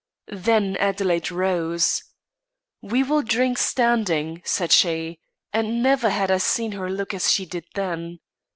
"Then Adelaide rose. 'We will drink standing,' said she, and never had I seen her look as she did then.